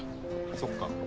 そっか。